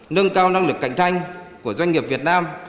nâng cao năng lực cạnh tranh của doanh nghiệp việt nam